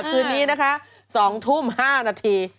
คืนนี้นะคะ๒ทุ่ม๕นาที